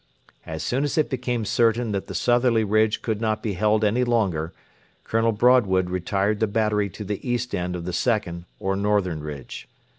As soon as it became certain that the southerly ridge could not be held any longer, Colonel Broadwood retired the battery to the east end of the second or northern ridge.